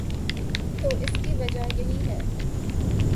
تو اس کی وجہ یہی ہے۔